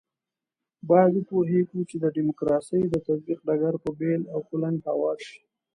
باید وپوهېږو چې د ډیموکراسۍ د تطبیق ډګر په بېل او کلنګ هوار شي.